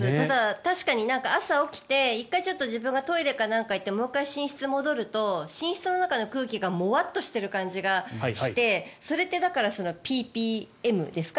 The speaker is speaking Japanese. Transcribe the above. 確かに朝起きて１回自分がトイレかなんかに行ってもう１回、寝室に戻ると寝室の中の空気がもわっとしている感じがしてそれって、ｐｐｍですか？